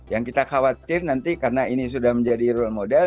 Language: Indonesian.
yang kita khawatir nanti karena ini sudah menjadi role model